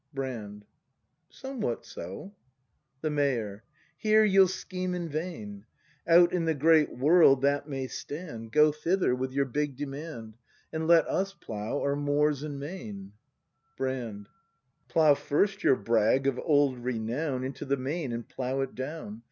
Brand. Somewhat so. The Mayor. Here you'll scheme in vain! Out in the great world that may stand; — ACT III] BRAND 131 Go thither with your big demand, And let us plough our moors and main. Brand. Plough first your brag of old renown Into the main, and plough it down!